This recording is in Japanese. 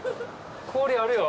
氷あるよ。